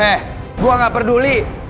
eh gua gak peduli